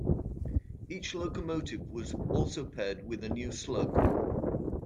Each locomotive was also paired with a new slug.